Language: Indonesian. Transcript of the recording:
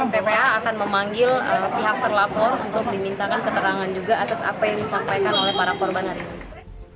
ppa akan memanggil pihak terlapor untuk dimintakan keterangan juga atas apa yang disampaikan oleh para korban hari ini